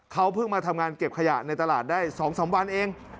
เขาเพิ่งมาทำงานเก็บขยะในตลาดได้๒๓วันเอง